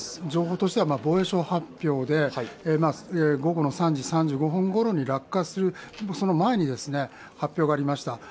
情報としては、防衛省発表で、午後の３時３５分頃に、落下する前に発表がありました。